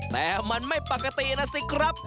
แต่มันไม่ปกตินะสิครับ